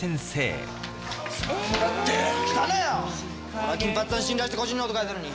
俺はきんぱっつぁん信頼して個人ノート書いたのに。